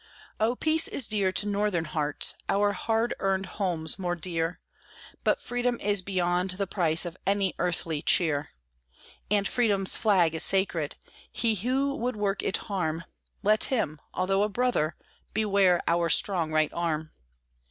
Oh, peace is dear to Northern hearts; our hard earned homes more dear; But Freedom is beyond the price of any earthly cheer; And Freedom's flag is sacred; he who would work it harm, Let him, although a brother, beware our strong right arm!